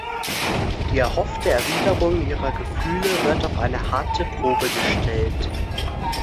Die erhoffte Erwiderung ihrer Gefühle wird auf eine harte Probe gestellt.